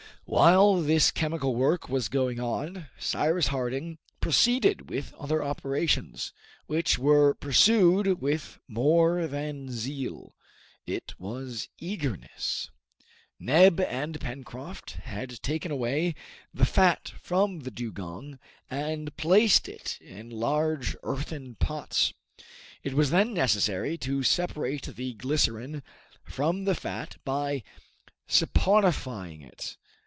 While this chemical work was going on, Cyrus Harding proceeded with other operations, which were pursued with more than zeal, it was eagerness. Neb and Pencroft had taken away the fat from the dugong, and placed it in large earthen pots. It was then necessary to separate the glycerine from the fat by saponifying it.